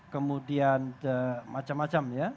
kemudian macam macam ya